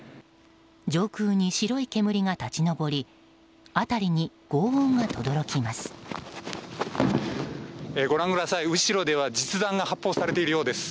上空に白い煙が立ち上り辺りに轟音がとどろきます。